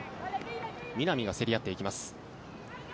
南が競り合っていきます。